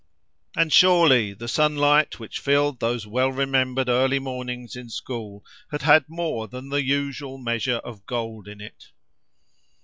And, surely, the sunlight which filled those well remembered early mornings in school, had had more than the usual measure of gold in it!